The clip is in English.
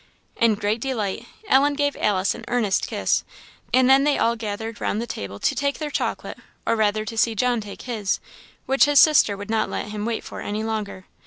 In great delight, Ellen gave Alice an earnest kiss; and then they all gathered round the table to take their chocolate, or rather to see John take his, which his sister would not let him wait for any longer.